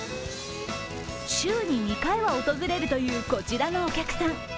週に２回は訪れるという、こちらのお客さん。